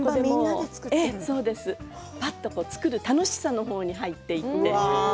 ぱっと作る楽しさの方に入っていって。